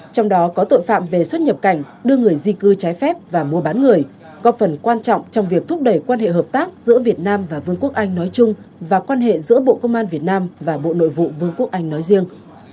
trong đó có tội phạm về xuất nhập cảnh đưa người di cư trái phép và mua bán người góp phần quan trọng trong việc thúc đẩy quan hệ hợp tác giữa việt nam và vương quốc anh nói chung và quan hệ giữa bộ công an việt nam và bộ nội vụ vương quốc anh nói riêng